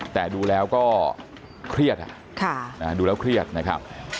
แต่ดูแล้วก็เครียดดูแล้วเครียดนะครับ